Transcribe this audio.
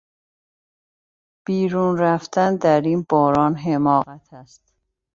بیرون رفتن در این باران حماقت است.